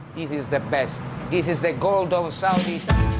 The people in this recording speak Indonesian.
ini adalah yang terbaik ini adalah gulungan saudi